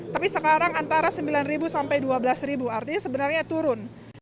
tapi sekarang antara sembilan sampai dua belas artinya sebenarnya turun